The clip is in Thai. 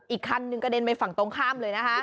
อีกคันหนึ่งกระเด็นไปฝั่งตรงข้ามเลยนะคะ